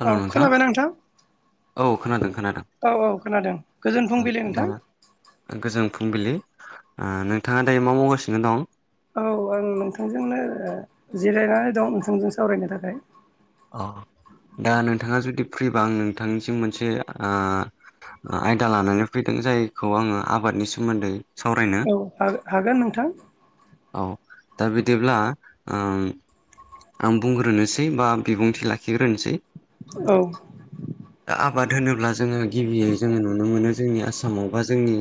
हेल' औ नोंथां खोनाबाय औ खोनादों खोनादों। औ-औ खोनादों गोजोन फुंबिलि नोंथां। दाना गोजोन फुंबिलि नोंथाङा दायो मा मावगासिनो दं। औ आं नोंथांजोंनो जिरायनानै दं नोंथांजों सावरायनो थाखाय औ दा नोंथाङा जुदि फ्रिबा आं नोंथांनिसिम मोनसे आ आयदा लानानै फैदों जायखौ आङो आबादनि सोमोन्दै सावरायनो औ हागोन नोंथां। औ दा बिदिब्ला ओम आं बुंग्रोनोसै बा बिबुंथि लाखिग्रोनोसै। औ। [inaudible] दा आबाद होनोब्ला जोङो गिबियै जोङो नुनो मोनो जोंनि आसामाव बा जोंनि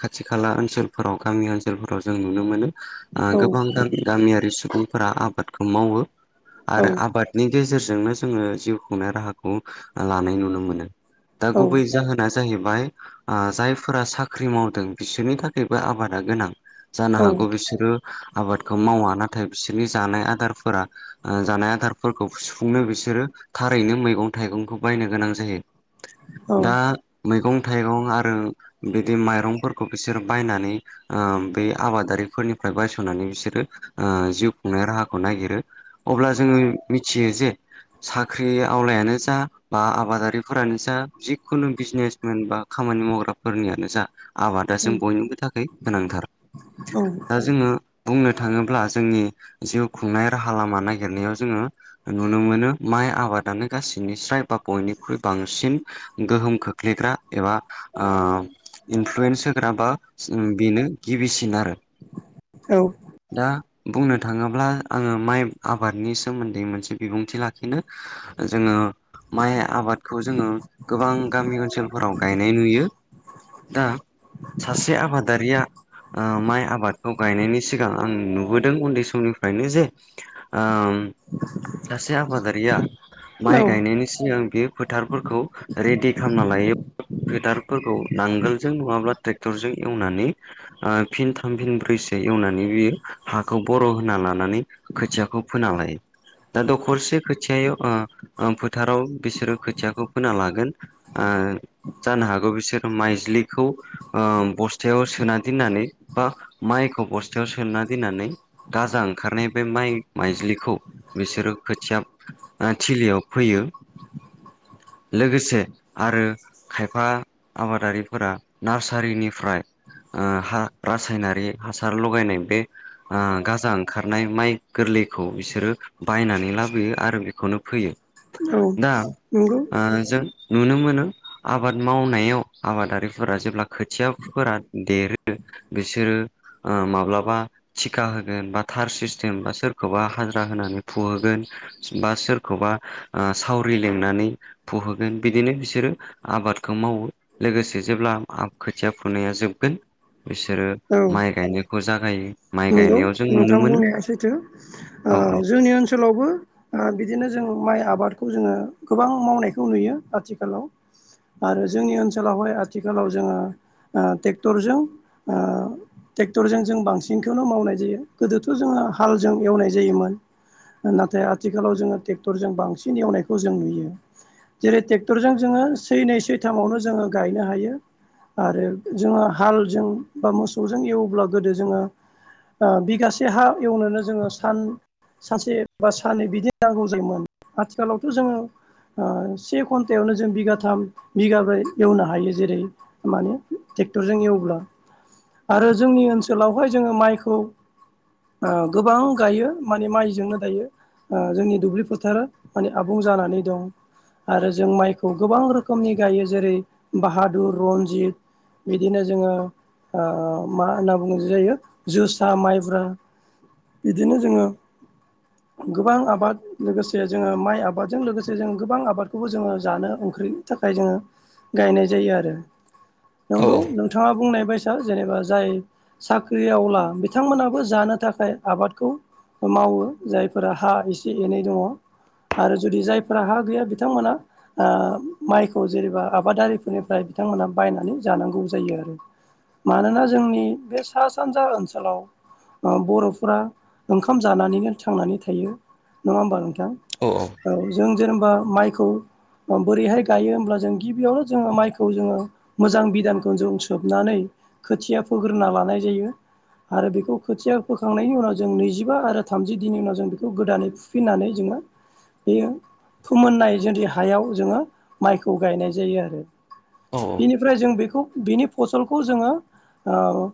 खाथि खाला ओनसोलफोराव गामि ओनसोलफोराव जों नुनो मोनो। औ गोबां गामियारि सुबुंफोरा आबादखौ मावो औ आरो आबाद नि गेजेरजोंनो जोङो जिउ खुंनाय राहाखौ लानाय नुनो मोनो दा औ गुबै जाहोन दा जाहैबाय जायफोरा साख्रि मावदों बिसोरनि थाखायबो आबादा गोनां। जानो हागौ बिसोरो आबादखौ मावा नाथाय बिसोरनि जानाय आदार फोरा जानाय आदारफोरखौ सुफुंनो बिसोरो थारैनो मैगं थाइगंखौ बायनो गोनां जायो दा मैगं-थाइगं आरो बिदि माइरंफोरखौ बिसोर बायनानै बे आबादारिफोरनिफ्राय बायस'नानै बिसोरो जिउ खुंनाय राहा ओ खौ नायगिरो अब्ला जोङो मिथियो जे साख्रि आवलायानो जा बा आबादारिफोरानो जा जिखुनु बिजनेस जेनबा खामानि मावग्राफोरनियानो जाओ आबादा जों बयनिबो थाखाय गोनांथार दा जोंङो ओ बुंनो थाङोब्ला जोंनि जिउ खुंनाय राहा लामा नागिरनायाव जोंङो ओ नुनो मोनो माइ आबादानो ओ गाससिनि स्राय बा बयनिख्रुइ बांसिन गोहोम खोख्लैग्रा एबा ओ इनफ्लुयेन्स होग्रा बा बेनो गिबिसिन आरो। औ। दा बुंनो थाङोब्ला ओ आंङो माइ आबादनि सोमोन्दै मोनसे बिबुंथि लाखिनो जोंङो ओ माइ आबादखौ जोंङो गोबां गामि ओनसोलफोराव गायनाय नुयो। दा सासे आबादारिया माइ आबादखौ गायनायनि सिगां आं नुबोदों उन्दै समनिफ्रायनो जेनो सासे आबादारिया औ माइ गायनायनि सिगां बेयो फोथारफोरखौ रेडि खालामना लायोना फोथारफोरखौ नांगोलजों नङाब्ला ट्रेक्टरजों एवनानैओ फिन थाम फिन ब्रैसो एवनानै बियो हाखौ बर' होना लानानैनो खोथियाखौ फोनानैओ दा दखरसे खोथिय फोथाराव बिसोरो खोथियाखौ फोना लागोनो जानो हागौ बिसोर माइज्लिखौहाय बस्थायाव सोना दोननानै बा माइखौ बस्थायाव सोना दोननानैओ गाजा ओंखारनायो बे माइ माइज्लिखौ बिसोरो खोथिया थिलियाव फैयो। लोगोसे आरो। खायफा आबादारिफोरा नार्सारिनिफ्रायो ह रासायनारि हासार लगायनाय बे गाजा ओंखारनायो माइ गोरलैखौ बिसोरो बायनानै लाबोयो आरो बेखौनो फैयो ओ औ दा नंगौ जों नुनो मोनो ओ आबाद मावनायाव आबादारिफोरा जेब्ला खोथियाफोरा देरो ओ बिसोरो माब्लाबा टिका होगोन बा थार सि जेनेबा सोरखौबा हाजिरा होनानै फुहोगोना बा सोरखौबा ओ सावरि लिंनानै फुहोगोन बिदिनो बिसोरो आबादखौ मावो। लोगोसे जेब्ला आ खोथिया फुनाया जोबगोन बिसोरो ओ औ माइ गायनायखौ जागायो। माइ नंगौ गायनायाव जों नुनो नोंथां मोनो बुंनाया सैथो औ जोंनि ओनसोलावबो बिदिनो जों माइ आबादखौ जोङो गोबां मावनायखौ नुयो आथिखालाव आरो जोंनि ओनसोलावहाय आथिखालाव जोङो ट्रेक्टरजों ओ ट्रेक्टरजों जों बांसिनखौनो मावनाय जायो गोदोथ' जोो हालजों एवनाय जायोमोन। नाथाय आथिखालाव जोङो ट्रेक्टरजों बांसिन एवनायखौ जों नुयो। जेरै ट्रेक्टरजों जोंङो सै नै सैथामावनो जोंङो गायनो हायो। आरो जोंङो हालजों बा मोसौजों एवब्ला गोदो जोंङो ओ बिगासे हा एवनोनो जोङो साना सानसे बा सानै बिदि नांगौ जायोमोन आथिखालावथ' जोंङो। से घन्टायावनो जों बिगाथाम बिगाब्रै एवनो हायो जेरैओ माने ट्रेक्टरजों एवब्ला आरो जोंनि ओनसोलावो बेवहाय जोंङो माइखौ गोबां गायो माने माइजोंनो दायो। जोंनि दुब्लि फोथारा माने आबुं जानानै दं। आरो जों माइखौ गोबां रोखोमनि गायो जेरै बाहादुर रनजित बिदिनो जोंङो मा होनना बुंङो जायो जोसा माइब्रा बिदिनो जोंङो [inaudible] गोबां आबाद लोगोसे जोंङो माइ आबादजों लोगोसे जों गोबां आबादखौबो जोङो जानो ओंख्रि थाखाय जोङो गायनाय जायो आरो। नंगौ नोंथाङा बुंनाय बायसा जेनेबा जाय साख्रि आवला बिथांमोनाबो जानो थाखाय आबादखौ मावो जायफोरा हा एसे एनै दङ। आरो जुदि जायफोरा हा गैया बिथांमोना। ओ माइखौ जेनेबा आबादारिफोरनिफ्राय बिथांमोनहा बायनानै जानांगौ जायो आरो। मानोना जोंनि बे सा सानजा ओनसोलाव ओ बर'फोरा ओंखाम जानानैनो थांनानै थायो नङा होमबा नोंथां? अ औ। औ जों जेनेबा माइखौ अ बोरैहाय गायो होमब्ला जों गिबियावनो जोङो माइखौ जोङो मोजां बिदानखौ जों सोबनानै खोथिया फोग्रोना लानाय जायो। आरो बेखौ खोथिया फोखांनायनि उनाव जों नैजिबा आरो थामजि दिननि उनाव जों बेखौ गोदानै फुफिननानै जोङो बेयो फोमोननाय जुदि हायाव जोङो माइखौ गायनाय जायो आरो। बिनिफ्राय जों बेखौ बिनि फसलखौ जोङो ओ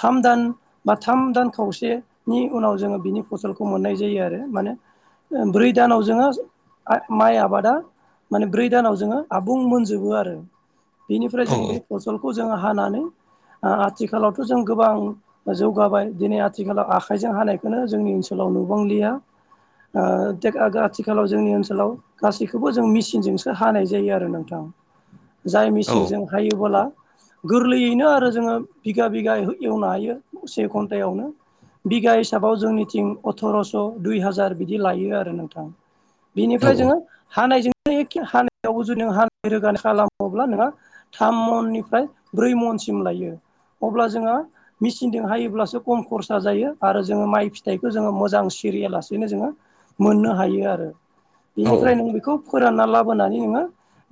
थाम दान बा थाम दान खावसेनि उनाव जोङो बिनि फसलखौ मोननाय जायो आरो माने ओ ब्रै दानाव जोङो माइ आबादा माने ब्रै दानाव जोङो आबुं मोनजोबो आरो। बेनिफ्राय जों बे फसलखौ जोङो हानानै आथिखालावथ' जों गोबां जौगाबाय दिनै आथिखालाव आखाइजों हानायखौनो जोंनि ओनसोलाव नुबांलिया। ओ आथिखालाव जोंनि ओनसोलाव गासैखौबो जों मेचिनजोंसो हानाय जायो आरो नोंथां। जाय मेसिनजों हायोबोला गोरलैयैनो आरो जोङो बिगा बिगायै एवनो हायो से घन्टायावनो बिगा हिसाबाव जोंनिथिं अथरस' दुइ हाजार बिदि लायो आरो नोंथां। बिनिफ्राय जोङो हानायजों एखे हानायावबो जुदि हानाय रोगानाय खालामोब्ला नोंहा थाम मननिफ्राय ब्रै मनसिम लायो अब्ला जोङो मेचिनजों हायोब्लासो खम खरसा जायो आरो जोङो माइ फिथाइखौ जोङो मोजां सिरिया लासेनो जोङो मोननो हायो आरो औ बेनिफ्राय नों बेखौ फोरानना लाबोनानै नोङो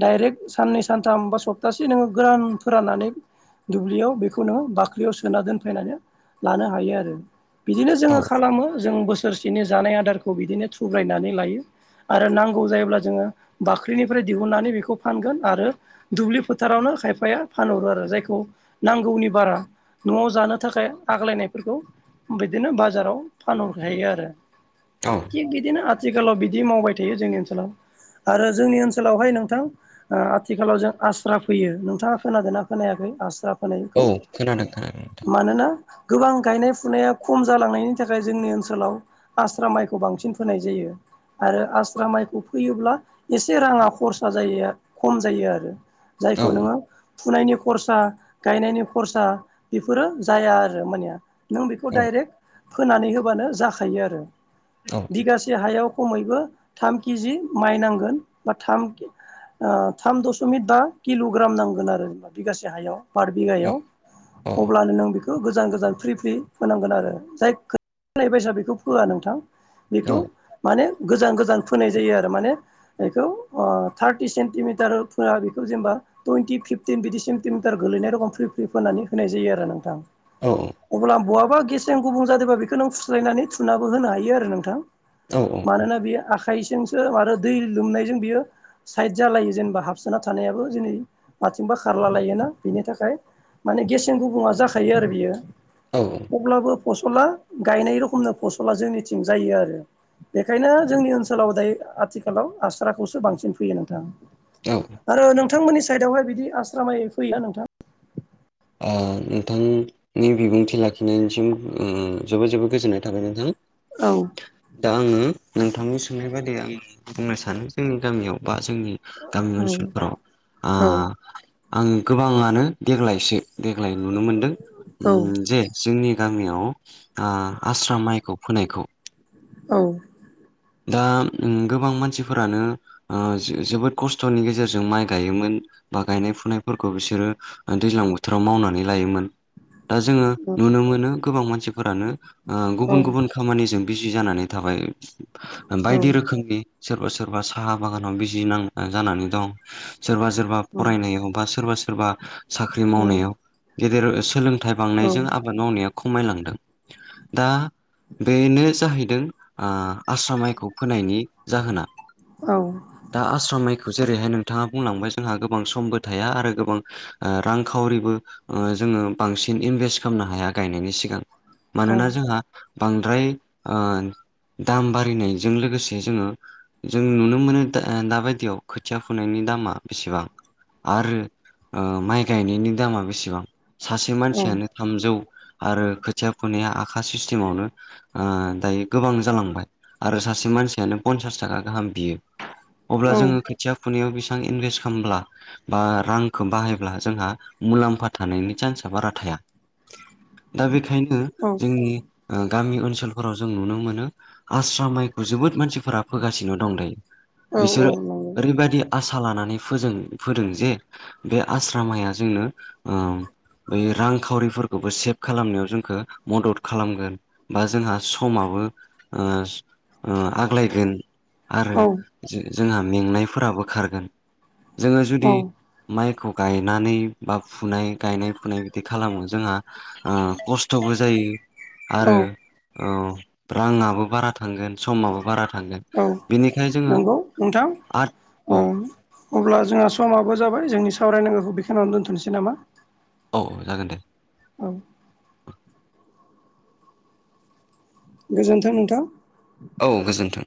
डाइरेक्ट साननै सानथाम बा सप्तासे नोङो गोरान फोराननानै दुब्लियाव बेखौनो बाख्रियाव सो सोना दोनफैनानै लानो हायो आरो बिदिनो जोङो खालामो जों बोसोरसे बिदिनो जानाय आदारखौ बिदिनो थुब्रायनानै लायो। आरो नांगौ जायोब्ला जोङो बाख्रिनिफ्राय दिहुननानै बेखौ फानगोन आरो दुब्लि फोथारावनो खायफाया फानहरो आरो जायखौ नांगौनि बारा न'आव जानो थाखाय आग्लायनायफोरखौ बिदिनो बाजाराव फानहर हायो आरो। औ थिग बिदिनो आथिखालाव बिदि मावबाय थायो जोंनि ओनसोलाव आरो जोंनि ओनसोलावहाय नोंथां आथिखालाव जों आस्रा फैयो नोंथाङा खोनादोंना खोनायाखै आस्रा फोनायखौ खोनादों खोनादों। नोंथां मानोना गोबां गायनाय फुनाया खम जालांनायनि थाखाय जोंनि ओनसोलाव आस्रा माइखौ बांसिन फोनाय जायो आरो आस्रा माइखौ फोयोब्ला एसे राङा खरसा जायो खम जायो आरो। जायखौ नोङो फुनायनि खरसा गायनायनि खरसा बेफोरो जाया आरो मानया नों बेखौ औ डाइरेक्ट फोनानै होबानो जाखायो आरो। औ बिगासे हायाव खमैबो थाम केजि माइ नांगोन बा थाम थाम दशमिक बा किल'ग्राम नांगोन आरो जेनेबा बिगासे हायाव पार औ बिगायाव। औ अब्लानो नों बेखौ गोजान गोजान फ्रि फ्रि फोनांगोन आरो जाय ख एभाइसा बेखौ फोया नोंथां। औ बेखौ माने गोजान गोजान फोनाय जायो आरो माने बेखौ थार्टि सेन्टिमिटारफोरा बेखौ जेनेबा टुइनटि फिफटिन बिदि सेन्टिमिटार गोलैनाय रखम फ्रि फ्रि फोननानै होनाय जायो आरो नोंथां। औ अब्ला बहाबा गेसें गुबुं जादोंबा बेखौ नों फुस्लायनानै थुाबो होनो हायो आरो नोंथां। औ मानोना बेयो आखाइजोंसो आरो दै लोमनायजों बियो साइद जालायो जेनेबा हाबसोना थानायाबो जनै माथिंबा खारला लायोना बिनि थाखाय माने गेसें गुबुङा जाखायो आरो बियो औ अब्लाबो फसला गायनाय रखमनो फसला जोंनिथिं जायो आरो। बेखायनो जोंनि ओनसोलाव दायो आथिखालाव आस्राखौसो बांसिन फैयो नोंथां। औ आरो नोंथांमोननि साइडआवहाय बिदि आश्रामायै फैया नोंथा। अ नोंथां नि बिबुंथि लाखिनायनिसिम जोबोद जोबोद गोजोननाय थाबाय नोंथां। औ दा आङो नोंथांनि सोंनाय बादि आं बुंनो सानो जोंनि गामियाव बा जोंनि गामि औ ओनसोलफोराव औ आं गोबाङानो देग्लायसो देग्लाय नुनो मोनदों औ उम जे जोंनि गामियाव आ आस्रा माइखौ फोनायखौ औ दा गोबां मानसिफोरानो आ जोबोद खस्थ'नि गेजेरजों माइ गायोमोन बा गायनाय फुनायफोरखौ बिसोरो दैज्लां बोथोराव मावनानै लायोमोन दा जोङो नुनो मोनो गोबां मानसिफोरानो औ गुबुन गुबुन खामानिजों बिजि जानानै थाबाय। बायदि रोखोमनि सोरबा सोरबा साहा बागानाव बिजि नां जानानै दं सोरबा सोरबा फरायनायाव बा सोरबा सोरबा साख्रि औ मावनायाव गेदेर सोलोंथाइ बांनायजों आ बाद मावनाया खमायलांदों दा बेनो जाहैदों आ आस्राखौ फोनायनि जाहोना दा आस्रा माइखौ जेरैहाय नोंथाङा बुंलांबाय जोंहा गोबां समबो थाया आरो गोबां रांखावरिबो जोङो बांसिन इनभेस्ट खालामनो हाया गायनायनि सिगां। औ मानोना जोंहा बांद्राय दाम बारिनायजों लोगोसे जोङो जों नुनो मोनो दाबायदियाव खोथिया फुनायनि दामा बेसेबां आरो माइ गायनायनि दामा बेसेबां सासे औ मानसियानो थामजौ आरो खोथिया फुनाया आखा सिस्टेमावनो दायो गोबां जालांबाय। आरो सासे मानसियानो पन्सास थाखा गाहाम बियो अब्ला औ जोङो खिथिया खुनायाव बेसेबां इनभेस्ट खालामब्ला बा रांखौ बाहायब्ला जोंहा मुलाम्फा थानायनि चान्स बारा थाया। दा बेखायनो औ जोंनि गामि ओनसोलफोराव जों नुनो मोनो आस्रा माइखौ जोबोद मानसिफोरा फोगासिनो दं दायो औ बिसोरो नंगौ ओरैबायदि आसा लानानै फोजों फोदों जे बे आस्रा माइया जोंनो बै रांखावरिफोरखौबो सेभ खालामनायाव जोंखौ मदद खालामगोन। बा जोंहा ओ ओ समाबो आग्लायगोन आरो औ जोंहा मेंनायफोराबो खारगोन जोङो जुदि औ माइखौ गायनानै बा फुनाय गायनाय फुनाय बिदि खालामो जोंहा आ खस्थ'बो औ आरो राङाबो बारा थांगोन समाबो बारा थांगोन। औ बेनिखायनो जोङो नंगौ नोंथां औ। अब्ला जोंहा समाबो जाबाय जोंनि सावरायनांगौखौ बेखनिनानै दोनथ'नोसै नामा? औ जागोन दे। औ। गोजोन्थों नोंथां। औ गोजोन्थों